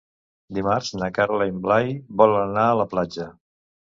Dimarts na Carla i en Blai volen anar a la platja.